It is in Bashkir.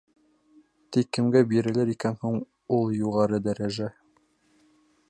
Тик кемгә бирелер икән һуң ул юғары дәрәжә?